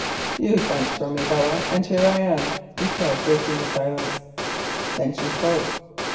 "You sent for me, Belle, and here I am," he said, breaking the silence. Then she spoke.